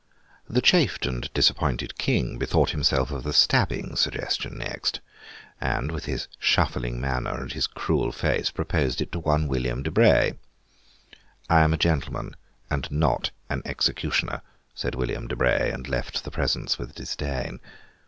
The chafed and disappointed King bethought himself of the stabbing suggestion next, and, with his shuffling manner and his cruel face, proposed it to one William de Bray. 'I am a gentleman and not an executioner,' said William de Bray, and left the presence with disdain.